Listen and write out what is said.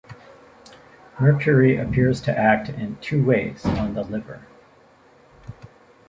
Mercury appears to act in two ways on the liver.